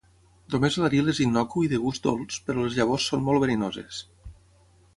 Només l'aril és innocu i de gust dolç però les llavors són molt verinoses.